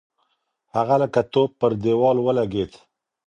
هلک لکه توپ پر دېوال ولگېد.